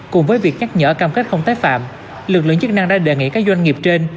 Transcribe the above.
cùng với việc nhắc nhở cam kết không tái phạm lực lượng chức năng đã đề nghị các doanh nghiệp trên